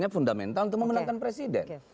fundamental untuk memenangkan presiden